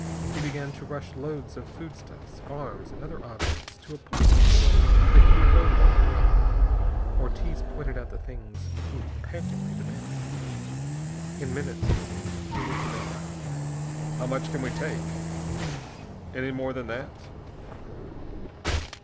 He began to rush loads of foodstuffs, arms, and other objects to a point from which they could be loaded on the plane. Ortiz pointed out the things he pantingly demanded. In minutes, it seemed, he was demanding: "How much can we take? Any more than that?"